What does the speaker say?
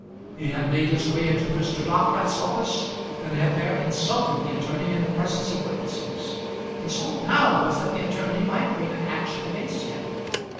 He had made his way into Mr. Dockwrath's office, and had there insulted the attorney in the presence of witnesses. His hope now was that the attorney might bring an action against him.